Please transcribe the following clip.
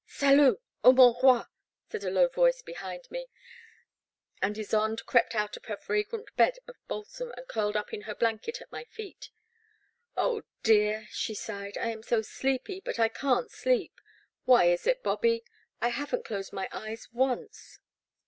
Salut ! O mon Roi !" said a low voice be hind me, and Ysonde crept out of her fragrant bed of balsam, and curled up in her blanket at my feet. Oh, dear, she sighed, '* I am so sleepy, but I can't sleep. Why is it, Bobby? — I haven't closed my eyes once."